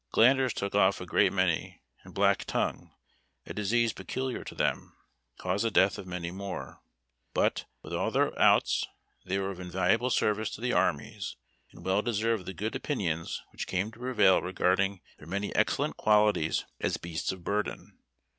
Glanders took off a great many, and black tongue, a disease peculiar to them, caused the death of many more. But, with all their outs, they were of invaluable service to the armies, and well deserve the good opinions wliicli came to prevail regarding their many excellent qualities as beasts of burden.